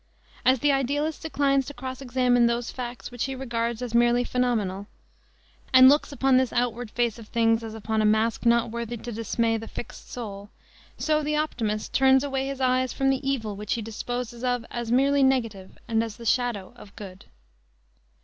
As the idealist declines to cross examine those facts which he regards as merely phenomenal, and looks upon this outward face of things as upon a mask not worthy to dismay the fixed soul, so the optimist turns away his eyes from the evil which he disposes of as merely negative, as the shadow of the good.